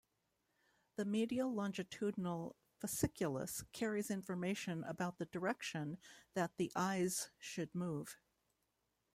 The medial longitudinal fasciculus carries information about the direction that the eyes should move.